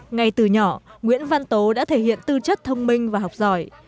ngay từ nhỏ nguyễn văn tố đã thể hiện tư chất thông minh và học giỏi